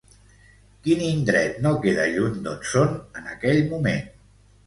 Quin indret no queda lluny d'on són en aquell moment?